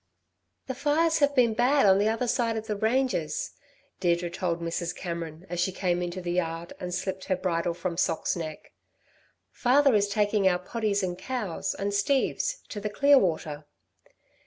"The fires have been bad on the other side of the ranges," Deirdre told Mrs. Cameron, as she came into the yard and slipped her bridle from Socks' neck. "Father is taking our poddies and cows, and Steve's, to the Clearwater."